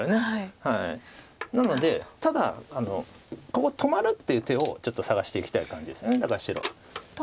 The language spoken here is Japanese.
なのでただここ止まるっていう手をちょっと探していきたい感じですだから白。